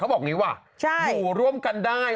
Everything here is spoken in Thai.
บอกอย่างนี้ว่ะอยู่ร่วมกันได้